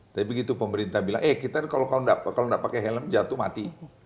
tapi begitu pemerintah bilang eh kita kalau tidak pakai helm jatuh mati